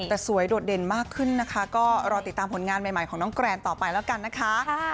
แต่สวยโดดเด่นมากขึ้นนะคะก็รอติดตามผลงานใหม่ของน้องแกรนต่อไปแล้วกันนะคะ